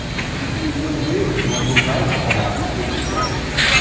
Il fut nommé en hommage à la ville de Dijon.